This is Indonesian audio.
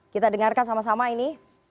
kita dengarkan sama sama ini